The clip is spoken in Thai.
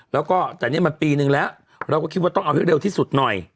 แล้วก็แต่นี่มันปีนึงแล้วเราก็คิดว่าต้องเอาให้เร็วที่สุดหน่อย